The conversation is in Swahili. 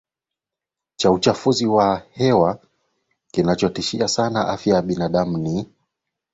cha uchafuzi wa hewa kinachotishia sana afya ya binadamu ni